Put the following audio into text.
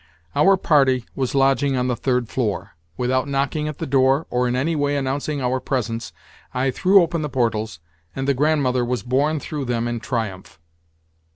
Our party was lodging on the third floor. Without knocking at the door, or in any way announcing our presence, I threw open the portals, and the Grandmother was borne through them in triumph.